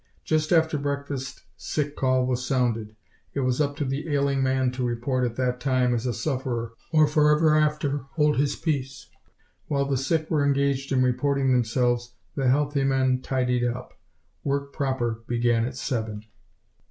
Just after breakfast sick call was sounded. It was up to the ailing man to report at that time as a sufferer or forever after hold his peace. While the sick were engaged in reporting themselves the healthy men tidied up. Work proper began at seven.